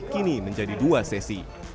kini menjadi dua sesi